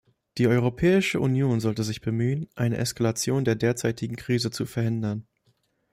Die Europäische Union sollte sich bemühen, eine Eskalation der derzeitigen Krise zu verhindern.